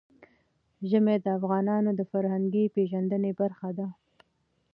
ژمی د افغانانو د فرهنګي پیژندنې برخه ده.